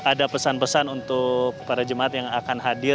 ada pesan pesan untuk para jemaat yang akan hadir